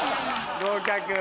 合格。